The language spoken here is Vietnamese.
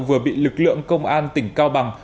vừa bị lực lượng công an tỉnh cao bằng